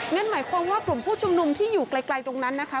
หมายความว่ากลุ่มผู้ชุมนุมที่อยู่ไกลตรงนั้นนะคะ